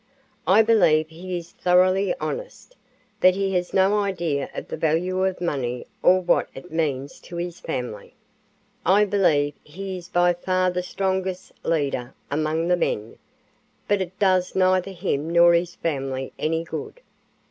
I believe he is thoroughly honest, but he has no idea of the value of money or what it means to his family. I believe he is by far the strongest leader among the men, but it does neither him nor his family any good.